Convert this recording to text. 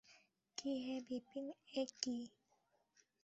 কী হে বিপিন– এ কী?